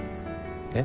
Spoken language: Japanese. えっ？